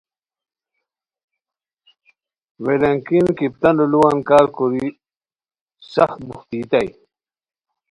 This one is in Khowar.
ویل اتکین کپتانو لُوان کار کوری سخت بوختوئیتائے